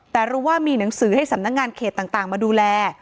แต่รู้ว่ามีหนังสือให้สำนักงานเขตต่างมาดูแล